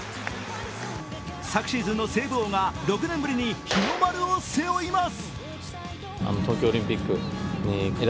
昨シーズンのセーブ王が６年ぶりに日の丸を背負います。